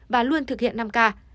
và luôn thực hiện năm k